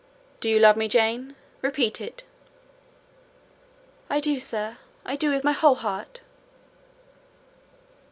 Do you love me, Jane?—repeat it." "I do, sir—I do, with my whole heart."